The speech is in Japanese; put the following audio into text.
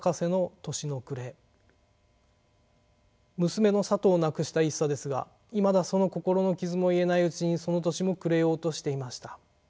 娘のさとを亡くした一茶ですがいまだその心の傷も癒えないうちにその年も暮れようとしていました。